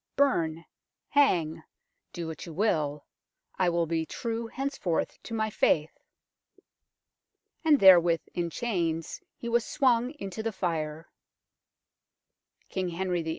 Burn ^hang do what you will I will be true henceforth to my faith." And therewith, in chains, he was swung into the fire. King Henry VIII.